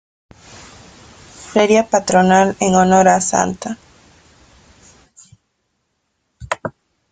Feria Patronal en honor a Sta.